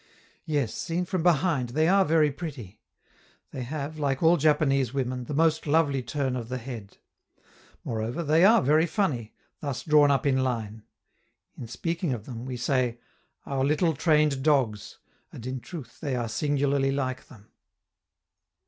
Yes, seen from behind, they are very pretty; they have, like all Japanese women, the most lovely turn of the head. Moreover, they are very funny, thus drawn up in line. In speaking of them, we say: "Our little trained dogs," and in truth they are singularly like them.